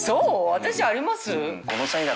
私あります？